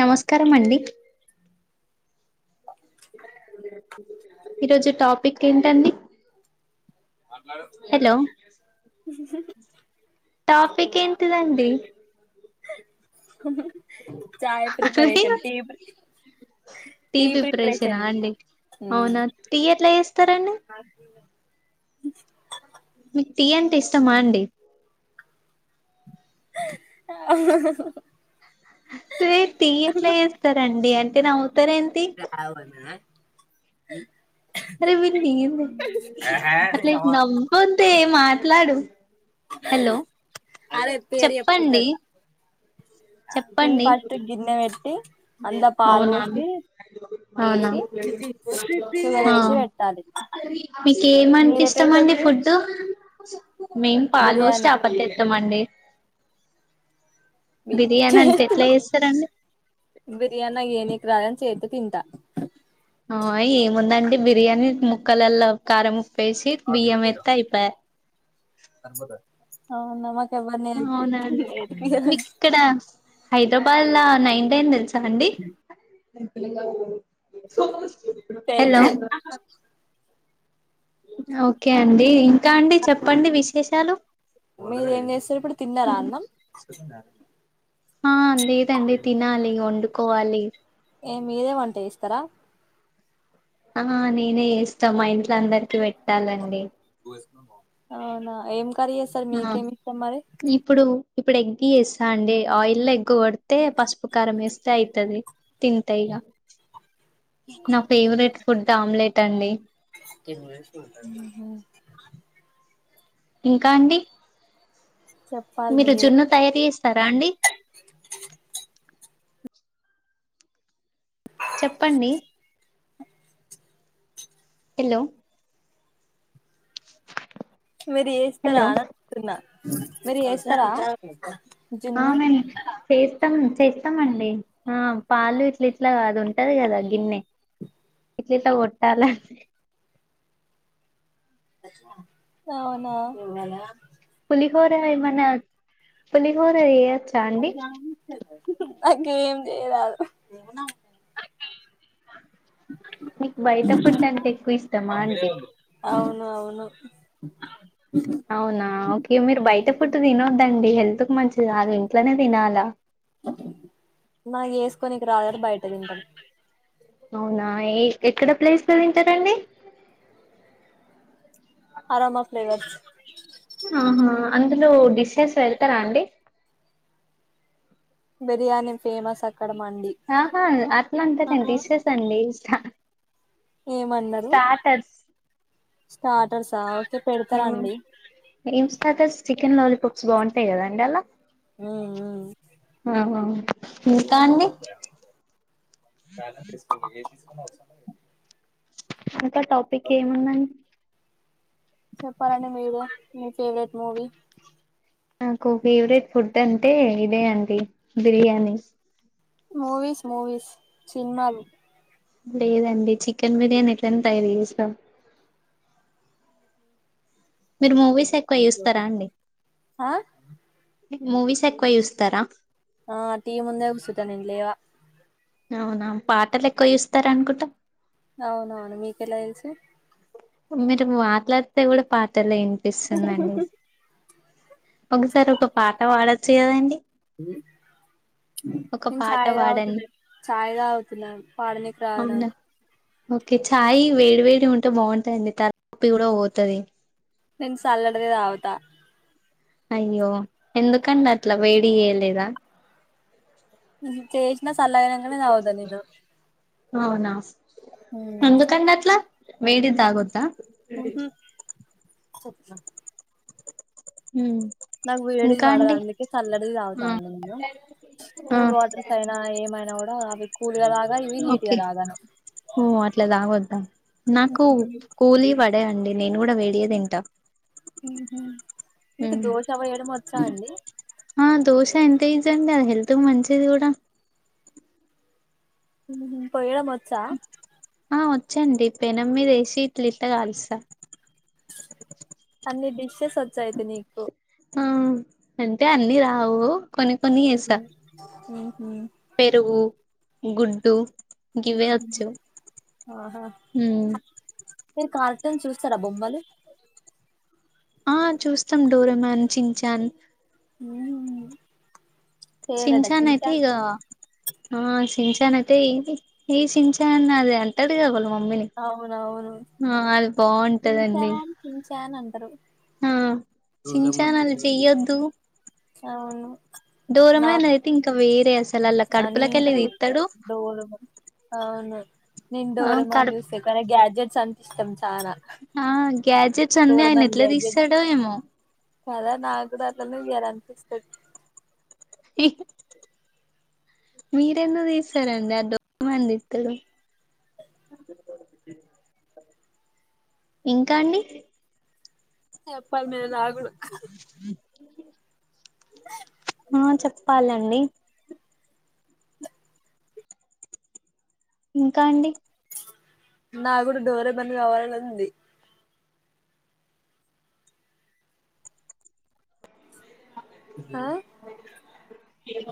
నమస్కారమండి ఈరోజు టాపిక్ ఏంటండి హలో టాపిక్ ఏంటిదండి చాయ అదే ప్రిపరేషన్ టి టీ ప్రిపరేషన్ అండి అవునా టీ ఎట్లా చేస్తారండి మీకు టీ అంటే ఇష్టమా అండి అవును టీ ఎట్లా చేస్తారండి అంటే నవు రావనా అరే వీ ఏంది అట్లా నవ్వోదే మాట్లాడు హలో అదేపేరు చెప్పేది చెప్పండి అట్లా టి చెప్పండి ఫస్ట్ గిన్నె వెట్టి అంద పాలు అవునా అండి? పోసి అవునా వేసి షుగర్ వేసి పెట్టాలి మీకు ఏమంట మీరు ఎట్లా చేస్తారు ఇష్టమండి టీ ఫుడ్ మేం పాలు వోస్ బిర్యానీ ఆపత్ ఎత్తాం అండి బిర్యానీ అంటే ఎట్లా చేస్తారండి బిర్యానా ఏని క రాాల చేత తింట ఆ ఏముందండి బిర్యానీ ముక్కలలో కారం ముప్పేసి బియ్యం ఎత్ అయిపోయా అవున అవునండి మీకు ఇక్కడ హైదరాబాద్లా నైన్ టైన్ తెలుసు అండి హలో పెన్సిల్ ఓకే అండి ఇంకా అండి చెప్పండి విశేషాలు మీరేం చేస్తారు ఇప్పుడు తిన్నారా అన్నం ఆ లేదండి తినాలి వండుకోవాలి ఏ మీదే వంట ఇస్తారా ఆ నేనే చేస్తాం మా ఇంట్లో అందరికి పెట్టాలండి అవునా ఏం కర్రీ చేస్తారు ఆ మీకేమి ఇష్టం మరి ఇప్పుడు ఇప్పుడు ఎగ్గి వేస్తా అండి ఆయిల్ ఎగ్ కొడితే పసుపు కారం వేస్తే అవుతది తింటాైగా నా ఫేవరెట్ ఫుడ్ ఆమ్లెట్ అండి త వ ఇంకా అండి చెప్పాలి మీరు మీరే జున్ను తయారు చేస్తారా అండి చెప్పండి హలో మీరు హలో వస్తారాస్తున్నా మీరు వస్తారా ఆ మేం ఫేస్ ఇస్తాం చేస్తామండి ఆ పాలు ఇట్లా ఇట్లా కాదు ఉంటది కదా గిన్నె ఇట్లి త గోటాలజ అవునా పలి హ ర మన పలిలీ హ రీ అ అే ఏం చేయరాదు మీకు బయటప్పటి దంటే ఎక్కువ ఇస్తామా అంటే అవును అవును అవునా ఓకే మీరు బయట పుట్టు తినవద్దండి హెల్త్ మంచిది ఆగా ఇంట్లోనే తినాల నా వేసుకొనికు రాలారు బయట తింటాం అవునా ఏ ఎక్కడ ప్లేస్ క వింటారండి అరోమా ఫ్లేవర్స్ ఆహా అందులో డిషెస్ వెళ్తారా అండి బిర్యానీి ఫేమస్ అ ఆహా ఆత్మ అంటారే అంటి ఇచ్చేస్ అండి ఇష్ట ఏమన్నారు స్టార్టర్సా ఓకే పెడతారండి ఏంస్టార్ట చికెన్ లాలీపాప్స్ బాగుంటాయి్ కదాండి అలా అ ఆహా ఇంకా అండి తీసుకు ఏ చ అవసర అకా టాపిక్ ఏముందండి చెప్పాలడి మీరే మీ ఫేవరెట్ మూవీ నాకు ఫేవరెట్ ఫుడ్ అంటే ఇదే అండి బిర్యానీ మూవీస్ మూవీస్ సినిమాలు లేదండి చికెన్ బిర్యానీ ఎట్లని తయారు చేస్తాం మీరు మూవీస్ ఎక్కువ ఇూస్తారా అండి ఆ మూవీస్ ఎక్కువ చూస్తారా ఆ టీ ముందే గుసుంటా నే లేవా అవునా పాటలు ఎక్కువ చెస్తార అనుకుంటా అవునవును మీకెలా తెలుసు మీరు మాట్లాడితే కూడా పాటలె వినిపిస్తుందండి ఒకసారి ఒక పాట పాడొచ్చు కదండి ఏ [inaudible] ఒక నేను పాట చాయ్ పాడండి తాగుతున్న చాయ్ తాగుతున్న పాడనికే రాదు అవునా నాకు ఓకే ఛాయ్ వేడి వేడి గా ఉంటే బాగుంటది తలనొప్పి కూడా పోతది నేన్ చల్లడదే తాగుతా అయ్యో ఎందుకండి అట్లా వేడి చేయలేదా చేసినా సల్లగైనంకనే తాగుతా నేను అవునా హ్మ్ ఎందుకండఅట్లా వేడి తాగొద్దా మ్ [unintelligible] ఉమ్ నాకు వేడిది ఇంకా పడదు అండి అందుకే చల్లడిది తాగుతా ఆ నేను ఆ కూల్ వాటర్స్ తాగిన ఏమైనా కూడా అవి అ ఇవి నీట్ గా ఓకే తాగను ఓ అట్లా తాగొద్దా నాకు కూలీ పడేయండి నేను కూడా వీడియో తింటా మ్ మీకు ఉమ్ దోష వేయడం వచ్చా అండి ఆ దోశ [unintelligible] హెల్త్ కి మంచిది కూడా పోయడం వచ్చా ఆ వచ్చండి పెనంమీద ఏషి ఇట్ల ఇట్ల కాలుస్తా అన్ని డిష్షెస్ వచ్చా అండి మీకు ఆ అంటే అన్ని రావు కొన్ని కొన్ని చేస్తా ఉహు పెరుగు గుడ్డు గివె వచ్చు ఆహా మ్ మీరు కార్టూన్ చూస్తారా బొమ్మలు ఆ చూస్తాం డోరమాన్ చించాన్ ఉ చింన్చాన్ అయితే ఈగ ఆ ఛింన్చాన్ అయితే ఏంటి ఏ చింగ్ చాంగ్ అల్లె అంతడు గా ఒకళ్ళు మమ్మీని అవునవును ఆ అది బాగుంటదండి చించాన్ చించాన్ అంటారు హ చింగ్ న్చాన్ అలా చేయొద్దు అవును డోరేమాన్ ఐతే ఇంకా వే [unintelligible] డోరేమాన్ అవునా నేను ఆ డోరేమాన్ కడప్ చూస్థా కానీ గ్యాడ్జెట్స్ అంత ఇష్టం చానా ఆ గ్యాజెట్స్ అన్నీ ఆయన డోరేమోన్ ఎట్లా గ్యాడ్జెట్ తీసాడో ఏమో కదా నాకు కూడా అట్లానే చేయాల అనిపిస్తది ఇ మీరెందుకు తీసారడి ఆ డోరేమాన్ తీస్తడు [unintelligible] ఇంకా అండి చెప్పాలా మీరు రాగుడు [inaudible] ఆ చెప్పాలండి ఇంకా అండి నాకూడా డోరేమాన్ కావాలని ఉంది ఆ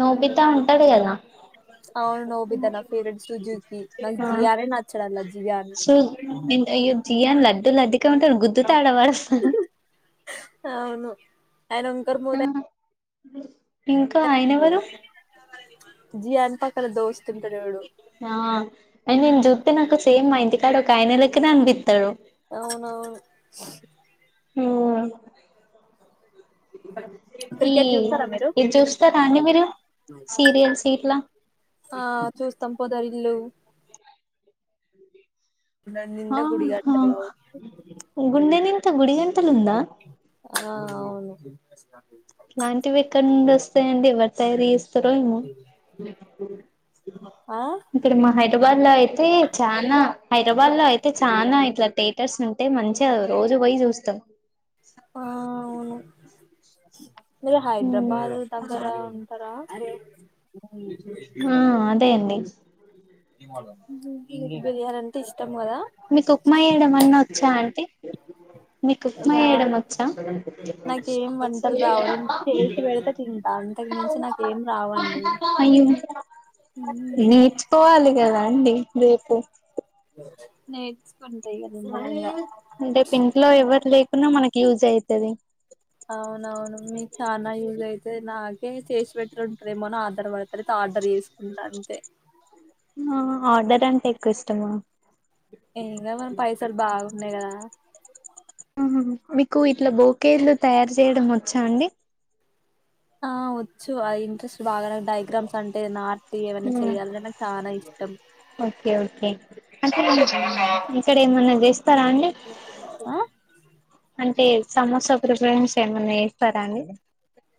నోటితో ఉంటాడు కదా అవును నోబితా నా ఫేవరెట్ సుజకి నా ఆ జియానేే నాచ్చడు జియాను చూ అయ్యో జియన్ లడ్డుూ లడ్డుగా ఉంటడు గుద్దుతా ఆడబడేస్తాడ్ అవును ఆయన వంకర మోతాయన ఇంకా ఆయన ఎవరు జీ ఎపా ఆ అ నేను జుతే నాకు సేమ్ అయింత కాడు ఆయన లెక్కనే అనిపిస్తాడు అవునవును హ ఈ క్రికెట్ చూస్తారా మీరు ఇది చూస్తారా అండి మీరు సీరియల్స్ ఇట్లా ఆ చూస్తాం పోదారు ఇల్లు దాని నిండా గుడి ఆహా కట్టారు కావచ్చు గుండెనిండా గుడి గంటలు ఉందా ఆ అవును ఇలాంటివి ఎక్కడ నుండి వస్తాయంండి ఎవరు తయారు చేస్తారో ఏమో ఆ ఇక్కడ మాహ హైదరాబాద్ లో అయితే చానా హైదరాబాద్ లో అయితే చాలనా ఇట్లా థియేటర్స్ ఉంటే మంచిగా అ రోజు పోయి చూస్తాం ఆ అవును మీరి హైదరాబాద్ దగ్గర ఉంటారా ఆ అదే అండి మీకు బిర్యానీ అంటే ఇష్టం కదా మీకు ఉప్మా ఏడ ఏమన్నా వచ్చా అంటే రా నాకేం వంటలు రావు నేను చేసి పెడతే తింటా అంత అంతకు మించి నాక ఏం రావండి అయ్యో నేర్చుకోవాలి కదా అండి రేపు నేర్చుకుంటా నిమ్మలంగా రేపు ఇంట్లో ఎవరు లేకున్నా మనకి యూజ్ అవుతుది అవునవును మీకు చనాా యూజ్ అయితే నాకే చేసి పెెట్టర్ ఉంటారేమోనో ఆధారపడిత ఎతే ఆర్డర్ చేసుకుంటా అంతే ఆర్డర్ అంటే ఎక్కువ ఇష్టమా ఇకా మన పైసలు బాగున్నాయి కదా మీకు ఇట్లా బోకేలు తయారు చేయడం వచ్చా అండి ఆ వచ్చు అది ఇంట్రెస్ట్ బాగా డయాగ్రామ్స్ అంటే నా ఏమన్నా చేయాలికు చాలా ఇష్టం అక్కడ ఇక్కడ ఏమన్నా చేస్తారా అండి ఆ అంటే సమోసా ప్రిపరేషన్స్ ఏమన్నా చేస్తారా అండి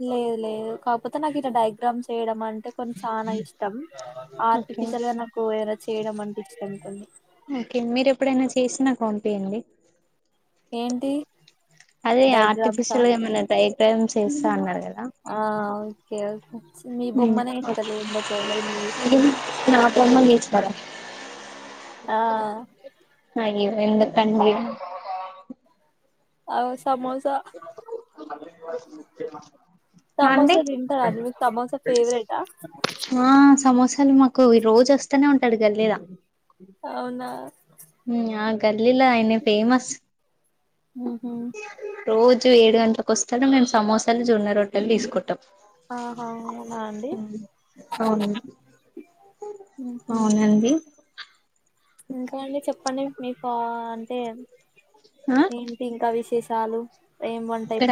లేదు లేదు కాకపోతే నాకు ఇలా డయాగ్రామ్స్ చేయడం అంటే అంటే కొ చాలా ఇష్టం ఓకే ఆర్టిఫిషియల్ గా నాకు ఏ చేయడం అనిపించింటుంది ఓకే మీరు ఎప్పుడైనా చేసినా నాకు పంపియ్యండి ఏంటి అదే డైగ్రామ్సా ఆర్టిఫిషియల్ గా ఏమనా డ్రై డ్రయం చేస్తా అన్నారు కదా ఆ ఓకే మీ బొమ్మనే ఇస్తలే ఒకవేళ నేను ఏస్తే మదా అే ఎందు కండ ఆ సమోసా అండి సమోసా తింటారా అండి మీకు సమోసా ఫేవరెటా ఆ సమోసా అసలు మాకు ఈ రోజు వస్తేనే ఉంటాడు గల్లీల అవునా ఆ గల్లీలో అయిన ఫేమస్ ఆహా రోజు ఏడు గంటలకు వస్తారు మేము సమోసాలు జొన్న రొట్టలు తీసుకుంటాం ఆహా అవునా అండి ఉమ్ అవును ఉహు అవునండి ఇంకా అండి చెప్పండి మీకు ఆ అంటే ఆ ఏంటి ఇంకా విశేష షాలు ఇక్కడ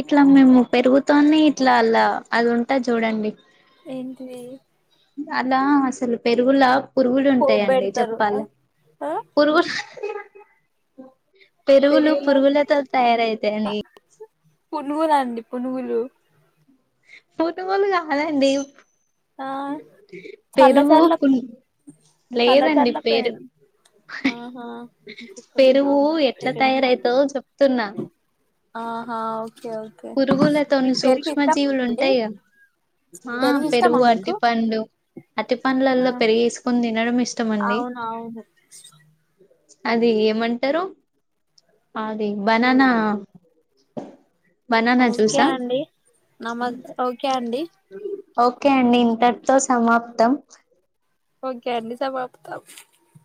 ఇట్లా మేము పెరుగుతోనే ఇట్లల్లా అది ఉంటద్ చూడండి ఏంటి అలా అసలు పెరుగులా పురుగులు పోపు ఉంటాయంండి పెడతారు చెప్పాల ఆ ఆ పురుగు పెరుగులు పెరుగులో పురుగులతో తయారయితా యండి పునుగు లండి పునుగులు పొద్దుకులు కావాలండి ఆ పెరుగు చల్లచర్ల కున్ లేదండి చల్లచర్ల పెన్ పెరుగ్ ఆహా పెరుగు అవును ఎట్ల సెకండ్ తయారయిద్దో చెప్తున్నా ఆహ ఒ పురుగులతో సూక్ష్మ జీవులు అండి ఉంటాయి గా ఆ పెరుగు రు ఇష్టమా అతి మీకు పంలు అతి పండ్లలో పెరిగేసుకొని తినడం ఇష్ట అవునవును అది ఏమంటరు అది బననా బనాన ఓకే జ్యూసా అండి నమ ఓకే అండి ఓకే అండి ఇంతట్తో సమాప్తం ఓకే అండి సమాప్తం